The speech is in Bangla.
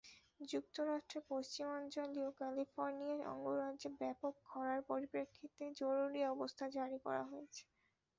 যুক্তরাষ্ট্রের পশ্চিমাঞ্চলীয় ক্যালিফোর্নিয়া অঙ্গরাজ্যে ব্যাপক খরার পরিপ্রেক্ষিতে জরুরি অবস্থা জারি করা হয়েছে।